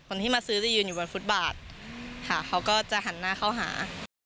คนที่มาซื้อจะยืนอยู่บนฟุตบาทค่ะเขาก็จะหันหน้าเข้าหา